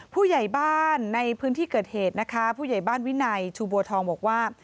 ผู้ใหญ่บ้านในพื้นที่เกิดเหตุนะคะผู้ใหญ่บ้านวินัยชูบัวทองบอกว่า